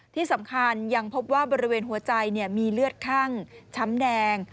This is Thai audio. ที่สำคัญยังพบว่าบริเวณหัวใจมีเลือดคั่งช้ำแดง